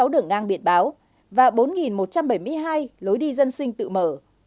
bốn trăm tám mươi sáu đường ngang biệt báo và bốn một trăm bảy mươi hai lối đi dân sinh tự mở